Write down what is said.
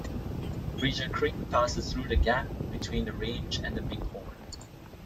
Bridger Creek passes through the gap between the range and the Bighorns.